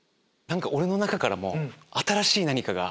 俺の中からも新しい何かが。